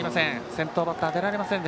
先頭バッター出られません。